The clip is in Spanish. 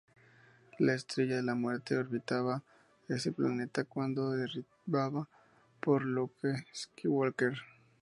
La Estrella de la Muerte orbitaba ese planeta cuando fue derribada por Luke Skywalker.